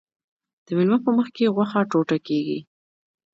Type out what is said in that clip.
د میلمه په مخکې غوښه ټوټه کیږي.